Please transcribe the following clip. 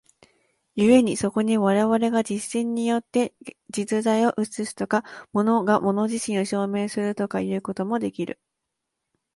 故にそこに我々が実践によって実在を映すとか、物が物自身を証明するとかいうこともできる。